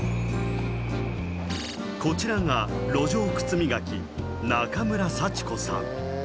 こちらが路上靴磨き中村幸子さん